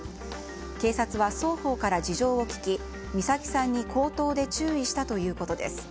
警察は双方から事情を聴き美崎さんに口頭で注意したということです。